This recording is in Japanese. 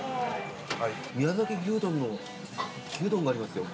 宮崎牛丼の牛丼がありますよ。